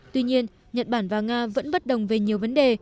tuy nhiên nhật bản và nga vẫn bất đồng về nhiều vấn đề